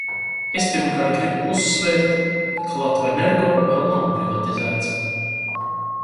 "Es, pirmkārt, gribu uzsvērt, ka "Latvenergo" vēl nav privatizēts."